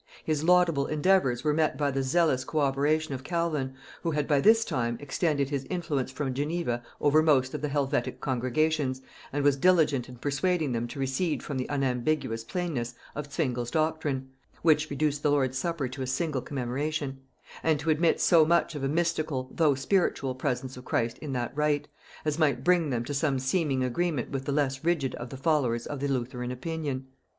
His laudable endeavours were met by the zealous co operation of Calvin, who had by this time extended his influence from Geneva over most of the Helvetic congregations, and was diligent in persuading them to recede from the unambiguous plainness of Zwingle's doctrine, which reduced the Lord's supper to a simple commemoration, and to admit so much of a mystical though spiritual presence of Christ in that rite, as might bring them to some seeming agreement with the less rigid of the followers of the Lutheran opinion.